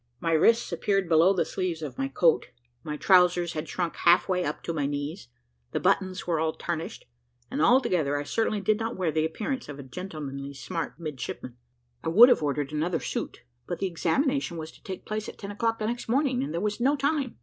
My wrists appeared below the sleeves of my coat my trowsers had shrunk halfway up to my knees the buttons were all tarnished, and altogether I certainly did not wear the appearance of a gentlemanly, smart midshipman. I would have ordered another suit, but the examination was to take place at ten o'clock the next morning, and there was no time.